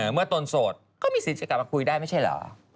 ตนโสดก็มีสิทธิ์จะกลับมาคุยได้ไม่ใช่เหรอ